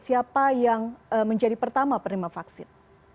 siapa yang menjadi pertama penerima vaksin